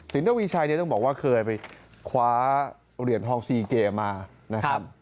ทวีชัยเนี่ยต้องบอกว่าเคยไปคว้าเหรียญทองซีเกมานะครับ